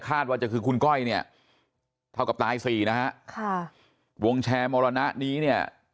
ว่าจะคือคุณก้อยเนี่ยเท่ากับตายสี่นะฮะค่ะวงแชร์มรณะนี้เนี่ย